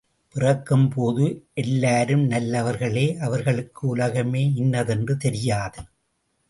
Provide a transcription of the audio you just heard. பிறக்கும் போது எல்லாரும் நல்லவர்களே அவர்களுக்கு உலகமே இன்னதென்று தெரியாது.